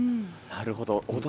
なるほど。